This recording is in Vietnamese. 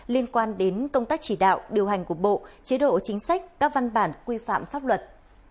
liên quan đến công tác chỉ đạo điều hành của bộ chế độ chính sách các văn bản quy phạm pháp luật